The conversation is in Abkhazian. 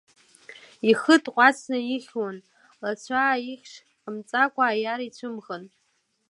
Ихы ҭҟәацны ихьуан, лацәааихьшь ҟамҵакәа, аиара ицәымӷын.